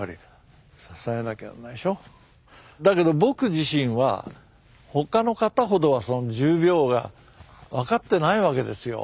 だけど僕自身は他の方ほどは重病が分かってないわけですよ。